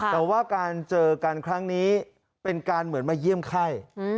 แต่ว่าการเจอกันครั้งนี้เป็นการเหมือนมาเยี่ยมไข้